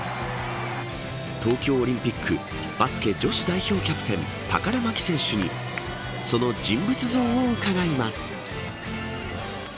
東京オリンピックバスケ女子代表キャプテン高田真希選手にその人物像を伺います。